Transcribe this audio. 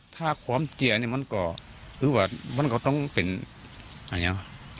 ถ้าความเจียนี่มันก็คือว่ามันก็ต้องเป็นอย่างนี้